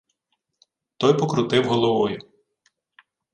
Той покрутив головою.